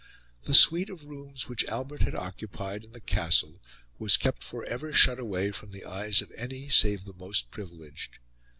The suite of rooms which Albert had occupied in the Castle was kept for ever shut away from the eyes of any save the most privileged.